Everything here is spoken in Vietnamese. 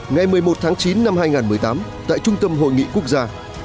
ngày một mươi một tháng chín năm hai nghìn một mươi tám tại trung tâm hội nghị quốc gia